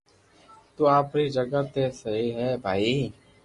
تو آپ ري جگھ تي سڄي ھي بائي